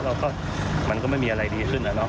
เราก็มันก็ไม่มีอะไรดีขึ้น